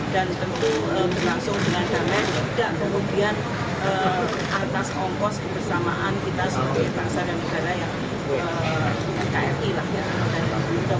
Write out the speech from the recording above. dan berlangsung dengan damai kemudian atas ongkos kebersamaan kita sebagai bangsa dan negara yang nkri lah ya